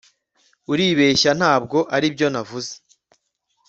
Uribeshya Ntabwo aribyo navuze